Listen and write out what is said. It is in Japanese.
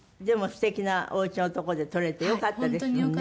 でもすてきなお家のとこで撮れてよかったですよね。